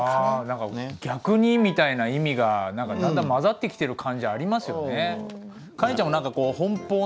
何か「逆に」みたいな意味がだんだん混ざってきてる感じありますよね。